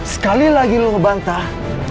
sekali lagi lu ngebantah